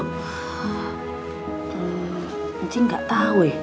ehm ncing gak tau ya